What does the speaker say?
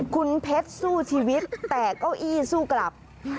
คุณเพชรสู้ชีวิตแต่เก้าอี้สู้กลับ